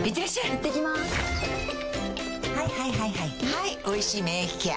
はい「おいしい免疫ケア」